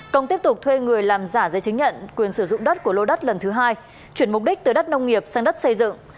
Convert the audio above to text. công tiếp tục thuê người làm giả giấy chứng nhận quyền sử dụng đất của lô đất lần thứ hai chuyển mục đích từ đất nông nghiệp sang đất xây dựng